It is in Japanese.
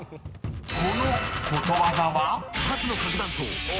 ［このことわざは？］